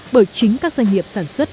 bởi chính các doanh nghiệp sản xuất